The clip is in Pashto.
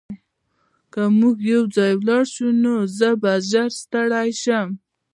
که موږ یوځای لاړ شو نو زه به ژر ستړی شم